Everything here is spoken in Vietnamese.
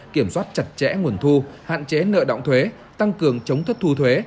kiểm soát chặt chẽ nguồn thu hạn chế nợ động thuế tăng cường chống thất thu thuế